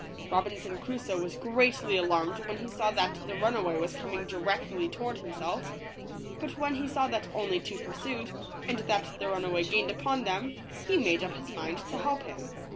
Robinson Crusoe was greatly alarmed when he saw that the runaway was coming directly toward himself, but when he saw that only two pursued, and that the runaway gained upon them, he made up his mind to help him.